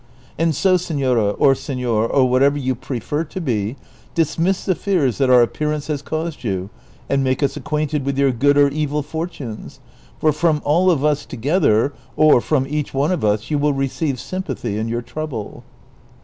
And so, senora, or senor, or whatever you prefer to be, dismiss the fears that our appear ance has caused you and make us acquainted with your good or evil fortunes, for from all of us together, or from each one of us, you will receive sympathy in your trouble."